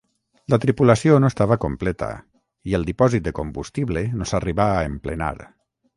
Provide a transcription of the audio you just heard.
La tripulació no estava completa i el dipòsit de combustible no s'arribà a emplenar.